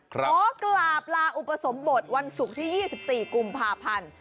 ขอกราบลาอุปสมบทวันศุกร์ที่๒๔กุมภาพันธ์